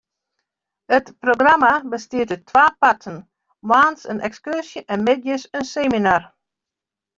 It programma bestiet út twa parten: moarns in ekskurzje en middeis in seminar.